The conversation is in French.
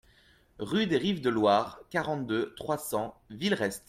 Rue des Rives de Loire, quarante-deux, trois cents Villerest